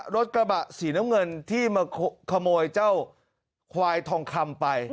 รถกระบะสีน้ำเงินที่มาขโมยเจ้าควายทองคำไป